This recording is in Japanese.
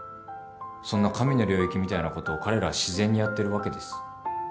そんな神の領域みたいなことを彼らは自然にやってるわけです。